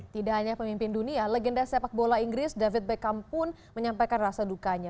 tidak hanya pemimpin dunia legenda sepak bola inggris david beckham pun menyampaikan rasa dukanya